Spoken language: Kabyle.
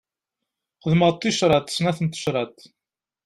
Xedmeɣ-d ticraḍ, snat n tecraḍ.